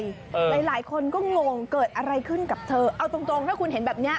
หลายคนก็งงเกิดอะไรขึ้นกับเธอเอาตรงถ้าคุณเห็นแบบเนี้ย